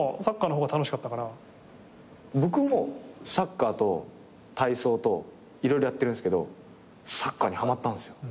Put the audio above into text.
僕もサッカーと体操と色々やってるんですけどサッカーにハマったんすよ。